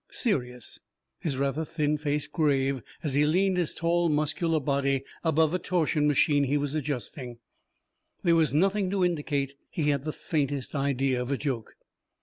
Serious, his rather thin face grave as he leaned his tall, muscular body above a torsion machine he was adjusting, there was nothing to indicate he had the faintest idea of a joke.